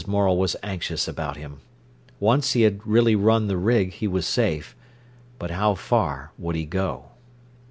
Morel was anxious about him. Once he had really run the rig he was safe. But how far would he go?